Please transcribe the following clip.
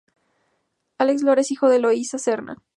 Álex Lora es hijo de Eloísa Serna.